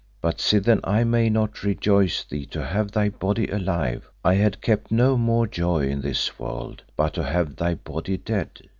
But sithen I may not rejoice thee to have thy body alive, I had kept no more joy in this world but to have thy body dead.